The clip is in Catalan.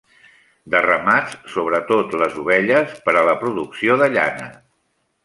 De ramats, sobretot les ovelles per a la producció de llana.